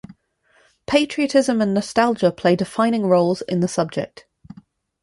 Patriotism and nostalgia play defining roles in the subject.